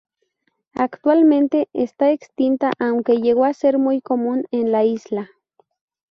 Actualmente está extinta, aunque llegó a ser muy común en la isla.